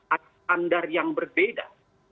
ada standar yang berbeda